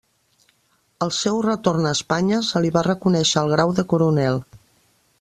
Al seu retorn a Espanya se li va reconèixer el grau de coronel.